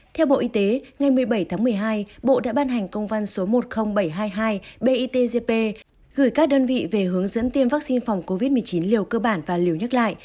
theo bộ y tế ngày một mươi bảy tháng một mươi hai bộ đã ban hành công văn số một mươi nghìn bảy trăm hai mươi hai bitgp gửi các đơn vị về hướng dẫn tiêm vaccine phòng covid một mươi chín liều cơ bản và liều nhắc lại